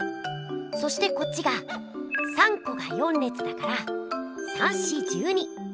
そしてこっちが３こが４れつだから３×４＝１２。